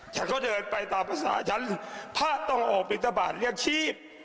ฉันก็เดินไปตามภาษาฉันถ้าต้องออกบินทบาทเรียกชีพ